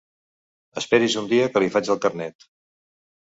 Esperi's un dia que li faig el carnet.